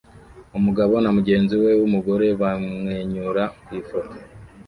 Umugabo na mugenzi we wumugore bamwenyura kwifoto